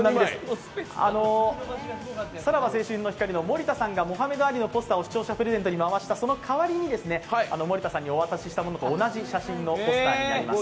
さらば青春の光の森田さんがモハメド・アリのポスターを視聴者プレゼントに回したそのかわり森田さんにお渡ししたものと同じポスターになります。